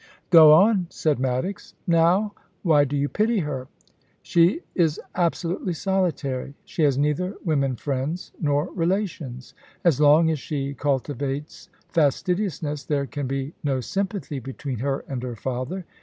' Go on,' said Maddox. ' Now, why do you pity her ?'* She is absolutely solitary ; she has neither women friends nor relations. As long as she cultivates fastidiousness, there can be no sympathy between her and her father.